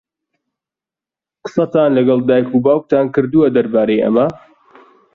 قسەتان لەگەڵ دایک و باوکتان کردووە دەربارەی ئەمە؟